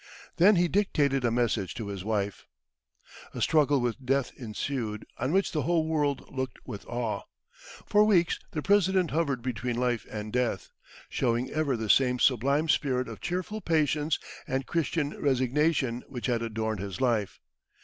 Then he dictated a message to his wife. A struggle with death ensued, on which the whole world looked with awe. For weeks the President hovered between life and death, showing ever the same sublime spirit of cheerful patience and Christian resignation which had adorned his life.